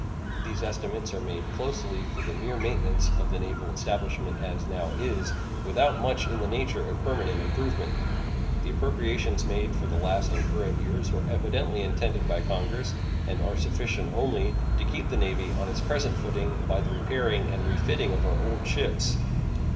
These estimates are made closely for the mere maintenance of the naval establishment as now is, without much in the nature of permanent improvement. The appropriations made for the last and current years were evidently intended by Congress, and are sufficient only, to keep the Navy on its present footing by the repairing and refitting of our old ships.